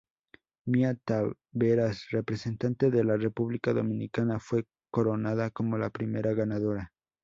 Mía Taveras representante de la República Dominicana fue coronada como la primera ganadora.